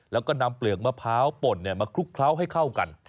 แล้วก็นำเปลือกมะพร้าวป่นมาคลุกเคล้าให้เข้ากัน